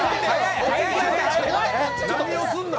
何をすんの？